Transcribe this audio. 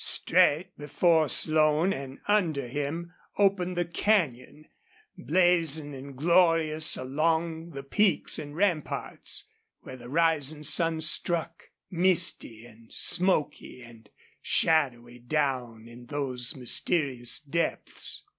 Straight before Slone and under him opened the canyon, blazing and glorious along the peaks and ramparts, where the rising sun struck, misty and smoky and shadowy down in those mysterious depths.